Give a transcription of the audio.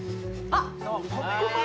あっ